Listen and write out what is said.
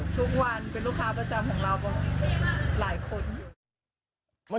ทุกวันเป็นลูกค้าประจำของเราหลายคน